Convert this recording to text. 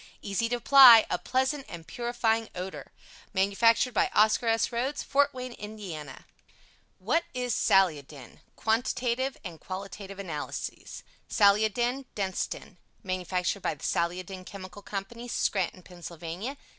Easy to apply, a pleasant and purifying odor. Manufactured by OSCAR S. RHOADS. FORT WAYNE, IND. What is SALIODIN? Quantitative and Qualitative Analyses SALIODIN DENSTEN Manufactured by the Saliodin Chemical Co. SCRANTON. PA.